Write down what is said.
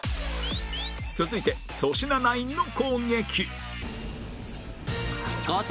続いて粗品ナインの攻撃